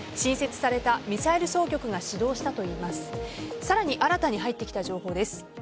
さらに新たに入ってきた情報です。